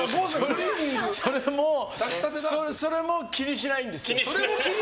それも気にしないんですよ。